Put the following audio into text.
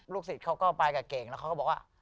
สิทธิ์เขาก็ไปกับเก่งแล้วเขาก็บอกว่า